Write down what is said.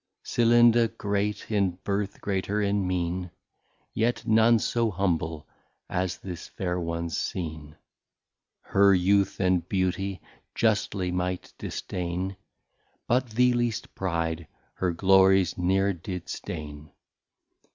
Celinda great in Birth, greater in Meen, Yet none so humble as this Fair One's seen. Her Youth and Beauty justly might disdain, But the least Pride her Glories ne're did stain.